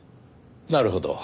なるほど。